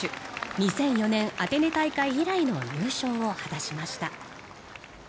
２００４年、アテネ大会以来の優勝を果たしました。